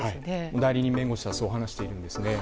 代理人弁護士はそう話しているんですね。